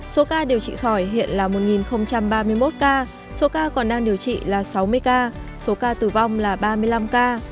số ca điều trị khỏi hiện là một ba mươi một ca số ca còn đang điều trị là sáu mươi ca số ca tử vong là ba mươi năm ca